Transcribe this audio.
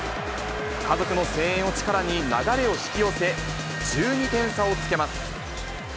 家族の声援を力に流れを引き寄せ、１２点差をつけます。